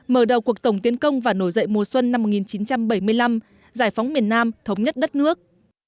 mở đầu cuộc tổng tiến công và nổi dậy mùa xuân năm một nghìn chín trăm bảy mươi năm giải phóng miền nam thống nhất đất nước